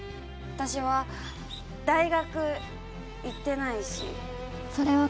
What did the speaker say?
私は大学行っていないし。